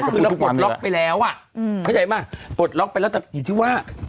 คือเราปลดล็อกไปแล้วอ่ะเข้าใจป่ะปลดล็อกไปแล้วแต่อยู่ที่ว่า